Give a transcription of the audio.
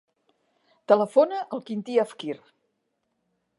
Telefona al Quintí Afkir.